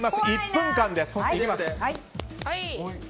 １分間です。